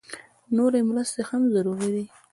نورې مرستې هم ضروري دي